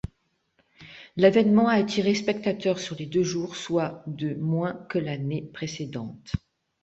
L’événement a attiré spectateurs sur les deux jours, soit de moins que l'année précédente.